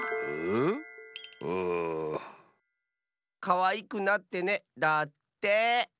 「かわいくなってね」だって。